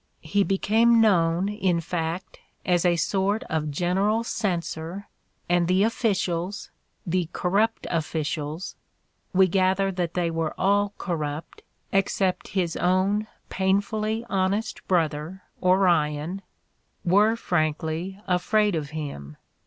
He became known, in fact, as "a sort of general censor," and the officials, the corrupt officials — we gather that they were all corrupt, except his own painfully honest brother Orion — were frankly afraid of him.